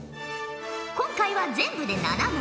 今回は全部で７問。